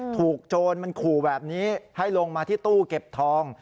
โจรมันขู่แบบนี้ให้ลงมาที่ตู้เก็บทอง